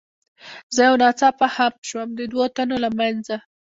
زه یو ناڅاپه خم شوم، د دوو تنو له منځه.